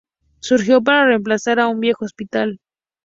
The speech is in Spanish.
Surgió para reemplazar a un viejo hospital.